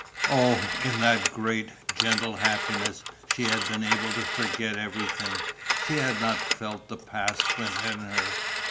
Oh, in that great, gentle happiness she had been able to forget everything, she had not felt the past within her!